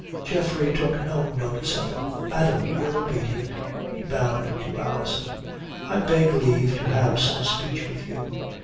Geoffrey took no notice of him. "Madame, your obedient," he bowed to Alison. "I beg leave to have some speech with you."